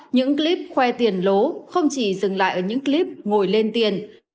những clip khoe tiền lố không chỉ dừng lại ở những clip ngồi lên tiền